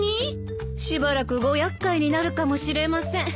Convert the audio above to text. しばらくご厄介になるかもしれません。